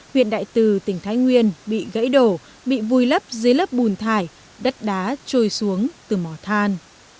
huyện đại từ tỉnh thái nguyên bị gãy đổ bị vùi lấp dưới lớp bùn thải đất đá trôi xuống từ mỏ than